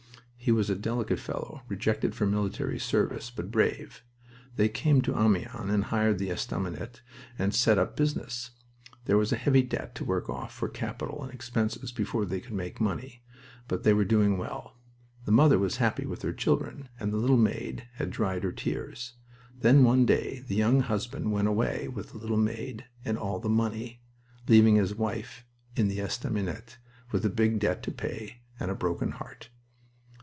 He was a delicate fellow, rejected for military service, but brave. They came to Amiens, and hired the estaminet and set up business. There was a heavy debt to work off for capital and expenses before they would make money, but they were doing well. The mother was happy with her children, and the little maid had dried her tears. Then one day the young husband went away with the little maid and all the money, leaving his wife in the estaminet with a big debt to pay and a broken heart.